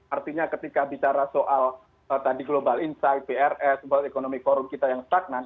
artinya ketika bicara soal tadi global insight prs ekonomi forum kita yang stagnan